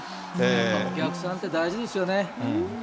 お客さんって大事ですよね。